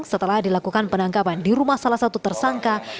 setelah dilakukan penangkapan di rumah salah satu tersangka